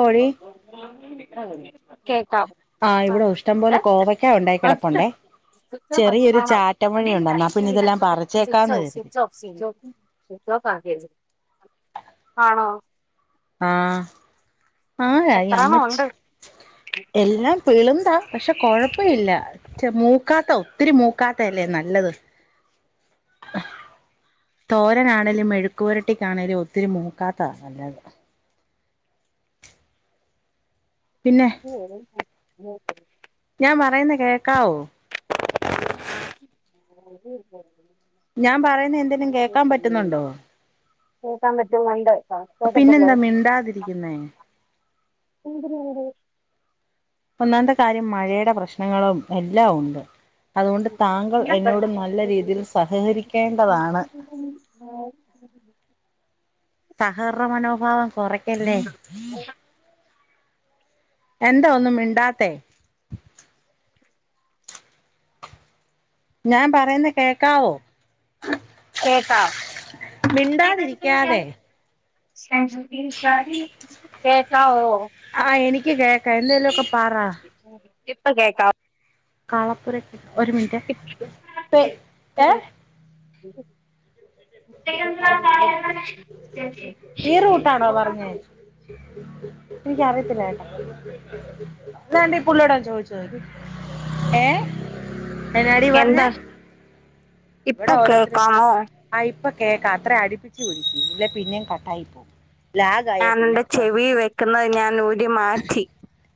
കോഴി കേക്കാം ആഇവിടെ ഉഷ്ടം പോലെ കോവയ്ക്ക ഉണ്ടായി കിടപ്പുണ്ടേ ചെറിയൊരു ചാറ്റമഴയുഉണ്ടന്നാ പിന്നെ ഇതെല്ലാം പറിച്ചേക്കാന്ന് കരുതി ആണോ ആഹ് അ ഏ ഈ അമ്മച്ചി എല്ലാം പിള്ന്താ പക്ഷെ കൊഴപ്പ ഇില്ല പക്ഷേ മൂക്കാത്ത ഒത്തിരി മൂക്കാത്ത എല്ലേ നല്ലത് തോരനാണേലും മെഴുക്കുവരട്ടിക്കാണേലും ഒത്തിരി മൂക്കാത്ത നല്ലത് പിന്നെ ഞാൻ പറയുന്നേ കേക്കാവോ ഉം ഞാൻ പറയുന്നേ എന്തേലും കേക്കാൻ പറ്റന്നുണ്ടോ കൂട്ടാൻപറ്റുന്നുണ്ട് ട്ടോ കേക്കുന്നില്ലേ പിന്നെന്താ മിണ്ടാതിരിക്കുന്നേ [unintelligible] ഒന്നാമത്തെ കാര്യം മഴടെ പ്രശ്നങ്ങളും എല്ലാം ഉണ്ട് അത്കൊണ്ട് താങ്കൾ എന്നോട് നല്ല രീതിൽ സഹകരിക്കേണ്ടതാണ് ആഹ് സഹർണ മനോഭാവം കൊറക്കല്ലേ [unintelligible] എന്താ ഒന്നും മിണ്ടാത്തെ ഞാൻ പറയ്ന്നേ കേക്കാവോ കേക്കാം മിണ്ടാതിരിക്കാതെ [unintelligible] കേക്കാവോ ആഹ് എനിക്ക് കേക്കാ എന്തെലൊക്കെ പറ ഇപ്പ കേക്ക കാളപ്പുര ഒരു മിൻറ്റേ പെ എ ഉ ഈ റൂട്ടാണോ പറഞ്ഞെ എനിക്കറിയത്തില്ലകേട്ടോ താണ്ടീ പുള്ളോ ഏ എന്നാടി പറഞ്ഞെ എന്താ ഇപ്പൊ വടെ ഓരോര്ത്തര് കേക്കാമോ ആ ഇപ്പ കേക്ക അത്ര അടുപ്പിച്ച് പിടിച്ച് ല്ലെ പിന്നേം കട്ടായി പോവും ലാഗായ പിന്നെ ക്ക്ന്നെ ഞാൻ ഊരി മാറ്റി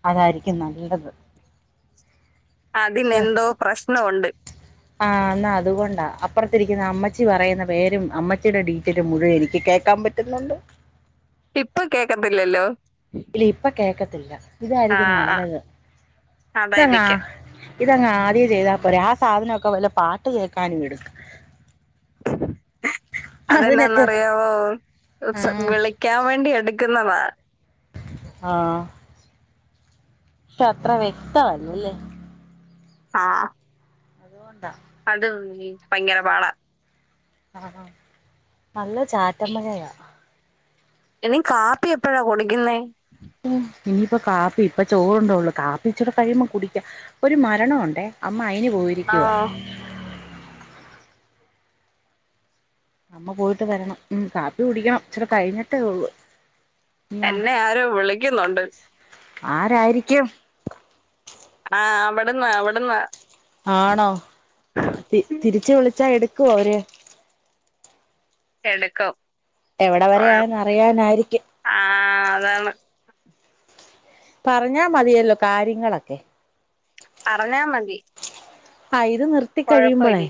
അതായിരിക്കും നല്ലത് അതിനെന്തോ പ്രശ്നവുണ്ട് ആഹ് ന്നാ അതുകൊണ്ട അപ്പർത്തിരിക്കിന്നഅമ്മച്ചി പറയുന്ന പേരും അമ്മച്ചിടെ ഡീറ്റെലു മുഴുവൻ എനിക്ക് കേക്കാം പറ്റു റ്റുന്നുണ്ട് ഇപ്പ കേക്കത്തില്ലല്ലോ ഇല്ലി ഇപ്പ കേക്കത്തില്ല ആ ഇതായിരിക്കും ആ, നല്ലത് തങ്ങാ അതായിരിക്കും ഇതങ്ങാദ്യേ ചെയ്താ പോരെ ആ സാധനൊക്കെ വല്ല പാട്ട് കേക്കാനു ഇട് അതിനൊക്കെ അതെന്നാന്നറിയാവോ ആ വിളി ക്കം വേണ്ടി എട്ക്ക്ന്നതാ ആഹ് അത്ര വ്യക്തല്ലല്ലേ ആഹ് ഉണ്ട അത് ഭയങ്കര പാട ആഹ് ആഹ് നല്ല ചാറ്റമ്മഴയ ഇനിം കാപ്പി എപ്പഴാ കുടിക്കുന്നേ ഇനിപ്പ കാപ്പി പ്പ ചോറ്ണ്ടെള്ളൂ കാപ്പി ഇച്ചൂട കഴിയുമ്പോ കുടിക്ക ഒരു മരണ ഉണ്ടേ അമ്മ അയിന് പോയി ആഹ് അമ്മ പോയ്ട്ട് വരണം മ് കാപ്പി കുടിക്കണം ച്ചിരി കഴിഞ്ഞിട്ടേ ഉള്ളൂ എന്നെ ആരോ വിളിക്കുന്നുണ്ട് ആരായ്രിക്കും ആഹ് അവ്ട്ന്ന അവ്ട്ന്ന ആണോ തിരിച്ച് വിളിച്ചാ എടുക്കോ അവര് എട്ക്കും എവിടെ വര ആയെന്ന് അറിയാനായിരിക്കും ആഹ് അതാണ് പറഞ്ഞാ മതിയല്ലോ കാര്യങ്ങളൊക്കെ അറഞ്ഞാൽ മതി അയില് നിർ കുഴപ്പ ഇല്ല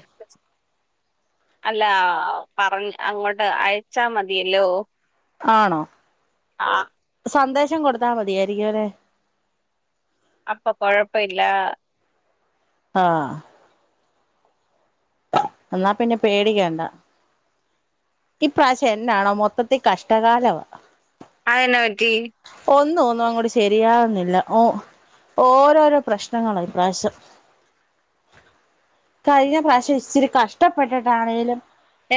അല്ല പറഞ് അങ്ങോട്ട് അയച്ചാ മതിയല്ലോ ആണോ ആഹ് സന്ദേശം കൊടുത്താൽ മതിയായിരിക്കും അല്ലേ അപ്പൊ കുഴപ്പ ഇല്ല ആഹ് എന്നാ പിന്നെ പേടിക്കേണ്ട ഈപ്രാവശ്യ എന്നാണോ മൊത്തത്തിൽ കഷ്ടകാലമാണ് അതെന്നാ പറ്റി ഒന്നും ഒന്നും അങ്ങോട്ട് ശരിയാുന്നില്ല ഓഹ് ഓരോരോ പ്രശ്നങ്ങളാ ഇപ്രാവശ്യം കഴിഞ്ഞ പ്രാവശ്യം ഇച്ചിരി കഷ്ടപ്പെട്ടിട്ടാണേങ്കിലും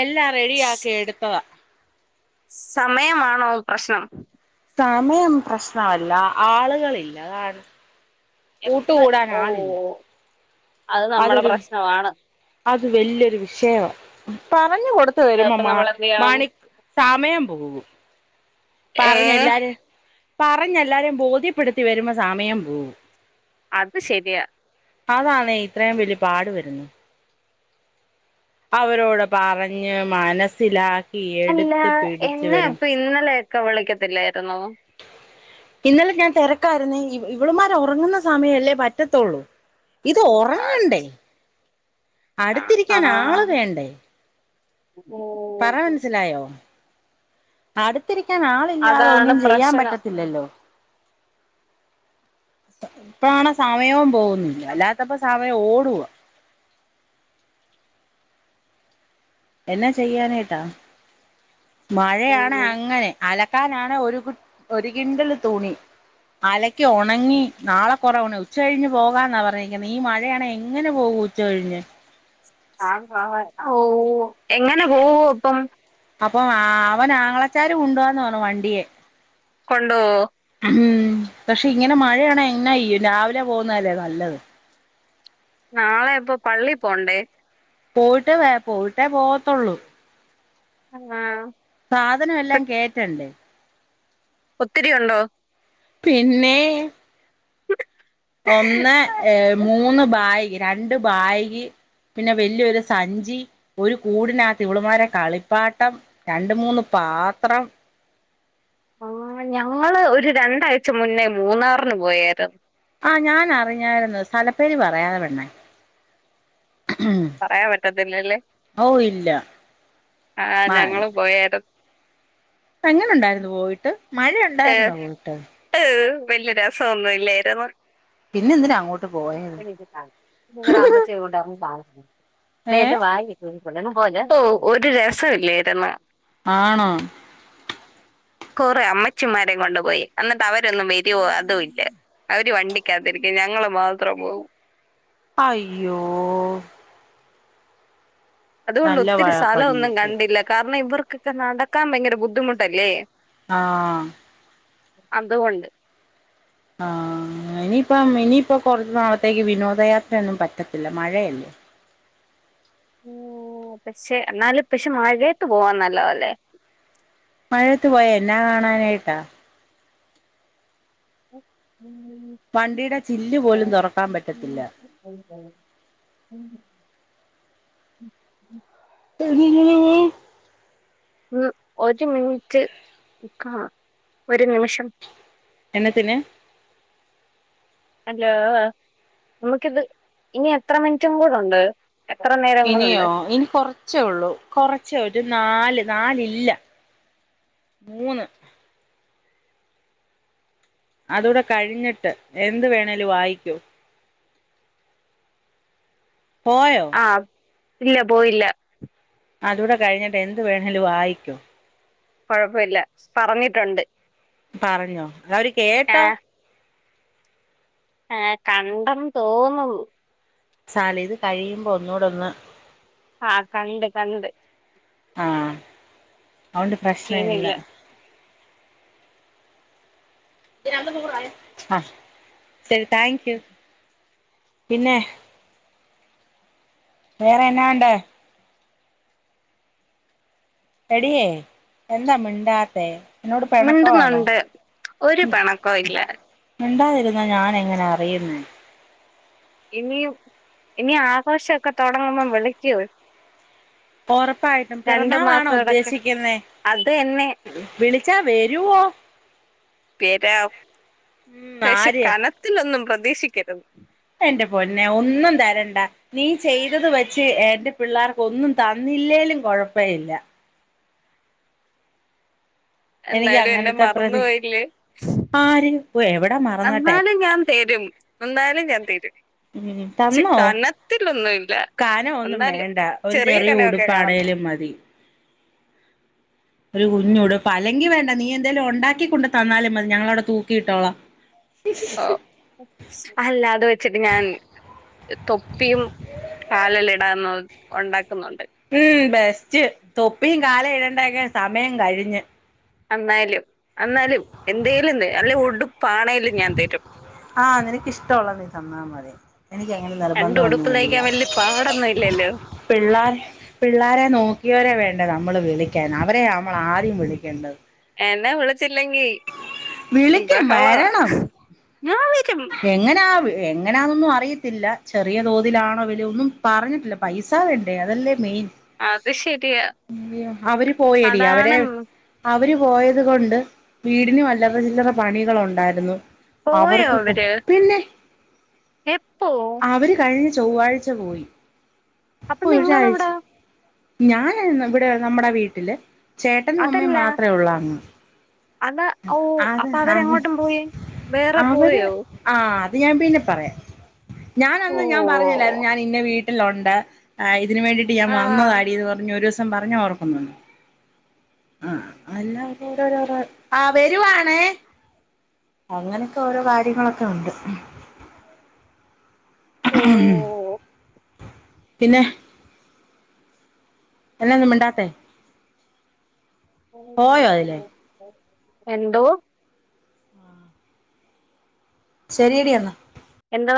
എല്ലാം റെഡിയ സ്- ആക്കി എടുത്തത സമയമാണോ പ്രശ്നം സമയം പ്രശ്നമല്ല ആളുകളില്ല കാര എത്ര ഓ അത് നമ്മുടെ അതൊരു പ്രശ്നമാണ് അത് വലിയൊരു വിഷയം പറഞ്ഞു കൊടുത്തു വരുമ്പോ അതിപ്പോ മാ നമ്മളെന്ത് ചെയ്യണം മാണി സമയം പോകും ഏഹ് പറഞ്ഞല്ലാര പറഞ്ഞെല്ലാരെയും ബോധ്യപ്പെടുത്തി വരുമ്പോ സമയം പോവും അത് ശരിയ അതാണെ ഇത്രേ വലിയ പാടു വരുന്നു അവരോട് പറഞ്ഞ് മനസ്സിലാക്കി അല്ല എടുത്ത് പിടിച്ചു എന്നെ വരും ഇപ്പൊ ഇന്നലെയൊക്കെ വിളിക്കത്തില്ലായിരുന്നോ ഇന്നലെ ഞാൻ തിരക്കായിരുന്നേ ഇവളമാരെ ഉറങ്ങുന്ന സമയല്ലേ പറ്റത്തുള്ളൂ ഇത് ഓ, അത് ഉറങ്ങണ്ടേ സ്- ആ അടുത്തിരിക്കാൻ ആള് വേണ്ടേ ഓഹ് പറ മനസിലായോ അടുത്തിരിക്കാൻ ആൾ ല്ലാതെ അതാണ് ഒന്നും ചെയ്യാൻ പ്രശ്നം പറ്റത്തില്ലല്ലോ ഇപ്പഴാണ് സമയവും പോകുന്നില്ല അല്ലാത്തപ്പോ സമയം ഓടുവാ എന്നെ ചെയ്യാനായിട്ടാ ഓ മഴയാണ് അങ്ങനെ അലക്കാനാണ് ഒരു ഒരു കിൻണ്ടല് തുണി അലക്ക് ഉണങ്ങി നാളെ കുറവ ഉണ ഉച്ച കഴിഞ്ഞ് പോകാന്നാ പറഞ്ഞിരിക്കുന്നത് ഈ മഴയാണ് എങ്ങനെ പോകൂ ഉച്ച കയ്ഞ്ഞ് ആഹ് ആഹ് ഓഹ് എങ്ങനെ പോവു അപ്പം അപ്പൊ അവൻ ആംഗളച്ചാര കൊണ്ടുവാന്ന് പറഞ്ഞു വണ്ടിയെ കൊണ്ടുപോവോ ഉം പക്ഷെ ഇങ്ങനെ മഴയാണ് എന്നയ്യും രാവിലെ പോകുന്നല്ലേ നല്ലത് നാളെ ഇപ്പൊ പള്ളി പോണ്ടേ പോയിട്ടേ വ പോയിട്ടേ പോകത്തുള്ളൂ ആഹ് സാധനം എല്ലാം കേറ്റണ്ടെ ഒത്തിരി ഉണ്ടോ പിന്നെയ് ഒന്ന് ഏഹ് മൂന്ന് ബായിക രണ്ട് ബായിക പിന്നെ വല്യൊരു സഞ്ചി ഒരു കൂടിനത്ത് വളുമാരെ കളിപ്പാട്ടം രണ്ട് മൂന്ന് പാത്രം ആഹ് ഞങ്ങള് ഒരു രണ്ടാഴ്ച മുന്നേ മൂന്നാറിന് പോയേരുന്നു. ആഹ് ഞാനറിഞ്ഞായിരുന്നു സ്ഥലപ്പേരി പറയാതെ പെണ്ണേ ഉം പറയാൻ പറ്റത്തില്ലല്ലേ ഔ ഇല്ല മഴ പോയേര എങ്ങനെണ്ടായിരുന്നു പോയിട്ട്? മഴ ഉണ്ടായിരുന്നോ പോയിട്ട്? ഏഹ് വല്യ രസൊന്നുല്ലേരുന്നു. പിന്നെ എന്തിനാ അങ്ങോട്ട് പോയത് [unintelligible] നിങ്ങടെ അമ്മച്ചീം കൊണ്ട് കാ ഏ നേന്റെ വാങ്ങി പോ ങ്ങും പോകല്ലേ ഓ ഒരു രസേ ല്ലേര്ന്നു ആണോ കൊറേ അമ്മച്ചിമാരെ കൊണ്ടുപോയി എന്നിട്ട് അവരൊന്നും വരോ അതു ല്ല. അവര് വണ്ടിക്കത്തിരിക്കും ഞങ്ങള് മാത്രം പോവും. അയ്യോ അതൊള്ളു നല്ല ഒത്തിരി മഴ സ്ഥലൊന്നും പണികിട്ടി കണ്ടില്ല കാരണം ഇവർക്കൊക്കെ നടക്കാൻ ഭയങ്കര ബുദ്ധിമുട്ടല്ലേ ആഹ് അതുകൊണ്ട് ആഹ് ഇനിയിപ്പം ഇനിയിപ്പ കൊറച്ച് നാളത്തേക്ക് വിനോദയാത്രെന്നും പറ്റത്തില്ല മഴയല്ലേ ഓഹ് പക്ഷെന്നാല് പക്ഷെ മഴയത്ത് പോവാൻ നല്ലതല്ലേ മഴേത്ത് പോയാ എന്നാ കാണാനായിട്ടാ? ഉം വണ്ടീടെ ചില്ല് പോലും തൊറക്കാൻ പറ്റത്തില്ല. [unintelligible] എങ്ങനെ പോവും ഉം ഒരു മിൻറ്റ് നിക്കണം ഒരു നിമിഷം എന്നത്തിന് അല്ലോ നമുക്കിത് ഇനി എത്ര മിന്റ്റും കൂടെണ്ട്? എത്ര നേരങ്ങളുണ്ട്? ഇനിയോ ഇനി കൊറ ച്ചൊള്ളൂ കൊറച്ച് ഒരു നാല് നാലില്ല മൂന്ന് അതൂടെ കഴിഞ്ഞിട്ട് എന്ത് വേണേലു ആയിക്കോ പോയോ അ ഇല്ല പോയില്ല. അതൂടെ കഴിഞ്ഞിട്ട് എന്ത് വേണേലും ആയിക്കോ കൊഴപ്പല്ല പറഞ്ഞിട്ടൊണ്ട്. പറഞ്ഞോ അവര് കേട്ടോ? ആഹ് ആഹ് കണ്ടന്ന് തോന്നുന്നു സാര്ല്ല ഇത് കഴിയുമ്പോ ഒന്നൂടൊന്ന് ആഹ് കണ്ട് കണ്ട് ആഹ് അവൊണ്ട് പ്രശ്നല്ല സീനില്ല [unintelligible] ആഹ് ശരി താങ്ക് യു പിന്നെ? വേറെ എന്നാഒണ്ട്? എടിയേ എന്താ മിണ്ടാത്തെ? എന്നോട് പെണക്കവാണോ? മിണ്ടുന്നുണ്ട് ഒരു പിണക്കോ ഇല്ല മിണ്ടാതിരുന്നാ ഞാനെങ്ങനാ അറിയുന്നെ ഇനിയും ഇനി ആഘോഷൊക്കെ തൊടങ്ങുമ്പം വിളിക്കിയോ? ഒറപ്പായിട്ടും രണ്ട് പിറന്നാളാണോ മാസോടൊക്കെ ഉദ്ദേശിക്കുന്നേ അത് എന്നെ വിളിച്ചാ വരുവോ? പേരാം ഉം പക്ഷെ ആര് കനത്തിലൊന്നും പ്രതീക്ഷിക്കരുത്. എന്റെ പൊന്നെ ഒന്നും തരണ്ട നീ ചെയ്തത് വെച്ച് എന്റെ പിള്ളേർക്കൊന്നും തന്നില്ലേലും കൊഴപ്പയില്ല. എനിക്ക് എന്നാലും എന്നെ അങ്ങനത്തെ മറന്നു പ്രതി പോയില്ലേ. ആര് എവിടെ മറന്നോട്ടെ അന്നാലും ഞാൻ തരും അന്നാലും ഞാൻ തരും. ഉം ചിക്കനത്തിലൊന്നും ഇല്ല. കാനം ഒന്നും വേണ്ട ഒരു ചെറിയ കാണുമ്പോ ഉടുപ്പാണെേലും മതി. ഒരു കുഞ്ഞുടുപ്പ് അല്ലെങ്കി വേണ്ട നീ എന്തേലും ഒണ്ടാക്കി കൊണ്ട് തന്നാലും മതി ഞങ്ങളവിടെ തൂക്കിയിട്ടോളാ ഓ അല്ലാതെ വെച്ചിട്ട് ഞാൻ. തൊപ്പിയും കാലേൽ ഇടാന്ന് ഒണ്ടാക്കുന്നൊണ്ട്. ഉം ബെസ്റ്റ് തൊപ്പി കാലേ ഇടേണ്ടൊക്കെ സമയം കഴിഞ്ഞ്. അന്നാലും അന്നാലും എന്തേലും തരും അല്ലേ ഉടുപ്പാണേലും ഞാൻ തരും ആഹ് നിനക്ക് ഇഷ്ട്ടൊള്ളത് നീ തന്നാ മതി എനിക്ക് എങ്ങനെ നിർബന്ധം ഒന്നുല്ല യ്ക്കാ വല്യ പാടൊന്നും ഇല്ലല്ലോ പിള്ളേർ പിള്ളാരെ നോക്കിയവരെ വേണ്ടേ നമ്മള് വിളിക്കാൻ അവരെയാ നമ്മൾ ആദ്യം വിളിക്കേണ്ടത് - എന്നെ വിളിച്ചില്ലെങ്കി വിളിക്കും ബഹള വരണം ഞാൻ വരും. എങ്ങനാ എങ്ങനാന്നൊന്നും അറിയത്തില്ല ചെറിയ തോതിലാണോ വിലൊന്നും പറഞ്ഞിട്ടില്ല. പൈസ വേണ്ടേ അതല്ലേ മെയിൻ അത് ശരിയാ യ്യോ അവര് പോയെടി അവരെ അതാണ് അവര് പോയത് കൊണ്ട് വീടിന് അല്ലറ ചില്ലറ പണികളൊണ്ടായിരുന്നു പോയോ അവര് പിന്നെ എപ്പോ അവര് കഴിഞ്ഞ - ചൊവ്വാഴ്ച പോയി പ്പ അപ്പൊ ഒരാഴ്ച നിങ്ങളെവിടാ ഞാൻ ഇവിടെ നമ്മുടെ വീട്ടില് ചേട്ടനുമമ്മയും മാത്രമേ ഒള്ള് അങ്ങ് അത ഓ അത് അപ്പൊ അത് അവരെങ്ങോട്ടും പോയി വേറെ പോയോ. ആഹ് അത് ഞാൻ പിന്നെ പറയാം ഓ ഞാനന്ന് ഞാൻ പറഞ്ഞില്ലായിരുന്നു ഞാൻ ഇന്നെ വീട്ട- ട്ടിലൊണ്ട് ഇതിന് വേണ്ടിട്ട് ഞാൻ ആ വന്നതാടിയെന്ന് പറഞ്ഞ് ഒരു ദിവസം പറഞ്ഞ ഓർ - മ് ആഹ് അല്ല [unintelligible] ആ് വരുവാണേ അങ്ങനെയൊക്കെ ഓരോ കാര്യങ്ങളൊക്കെ ഉണ്ട്. ഉം ഓ പിന്നെ എന്നാന്നിണ്ടാത്ത പോയോ അതിലേ. എന്തോ? ശെരിയടിയന്നാ എന്താ പ